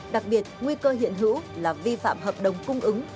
đặc biệt nguy cơ hiện hữu là vi phạm hợp đồng cung ứng